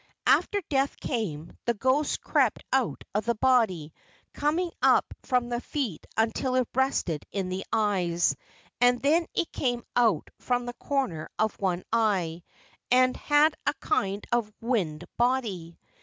After death came, the ghost crept out of the body, coming up from the feet until it rested in the eyes, and then it came out from the corner of one eye, and had a kind of wind body.